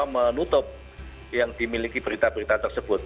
menutup yang dimiliki berita berita tersebut